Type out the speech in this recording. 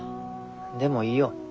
でもいいよ。